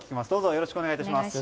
よろしくお願いします。